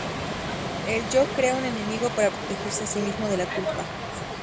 El yo crea un enemigo para protegerse a sí mismo de la culpa.